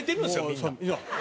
みんな。